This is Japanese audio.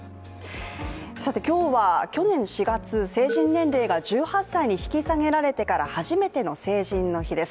今日は去年４月、成人年齢が１８歳に引き下げられてから初めての成人の日です。